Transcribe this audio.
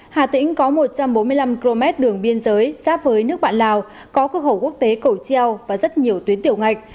hà tĩnh có một trăm bốn mươi năm km đường biên giới giáp với nước bạn lào có cửa khẩu quốc tế cầu treo và rất nhiều tuyến tiểu ngạch